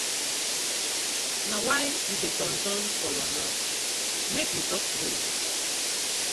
Na why yu dey turn turn for yah mouth, make yu talk true naw.